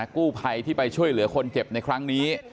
กู้ภัยที่ไปช่วยเหลือคนเจ็บในครั้งนี้